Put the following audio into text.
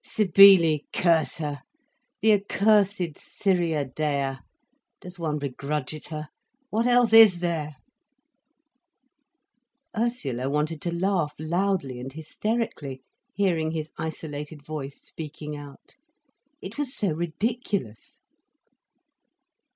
"Cybele—curse her! The accursed Syria Dea! Does one begrudge it her? What else is there—?" Ursula wanted to laugh loudly and hysterically, hearing his isolated voice speaking out. It was so ridiculous.